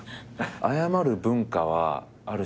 謝る文化はある種